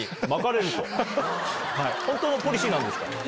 本当のポリシーなんですか？